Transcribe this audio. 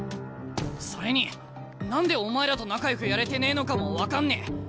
それに何でお前らと仲よくやれてねえのかも分かんねえ。